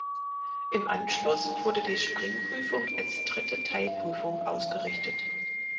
Im Anschluss wurde die Springprüfung als dritte Teilprüfung ausgerichtet.